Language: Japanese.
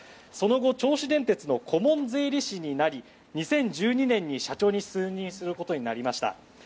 その後銚子電鉄の顧問税理士になり２０１２年に社長に就任することになりました。